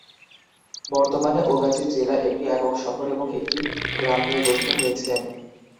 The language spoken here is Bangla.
বর্তমানে, ওগাচি জেলা একটি একক শহর এবং একটি গ্রাম নিয়ে গঠিত হয়েছে।